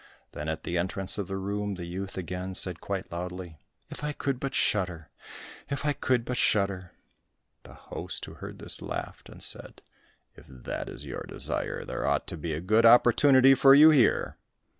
Then at the entrance of the room the youth again said quite loudly, "If I could but shudder! If I could but shudder!" The host who heard this, laughed and said, "If that is your desire, there ought to be a good opportunity for you here."